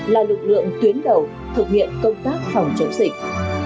là lực lượng tuyến đầu thực hiện công tác phòng chống dịch